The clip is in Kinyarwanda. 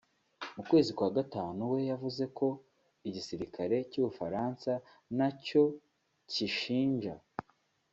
mu kwezi kwa gatanu we yavuze ko igisirikare cy’Ubufaransa “ntacyo kishinja”